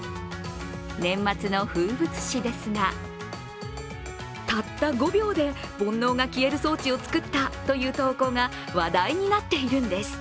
年末の風物詩ですがたった５秒で、煩悩が消える装置を作ったという投稿が話題になっているんです。